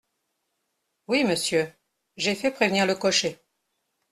Oui, monsieur ! j’ai fait prévenir le cocher.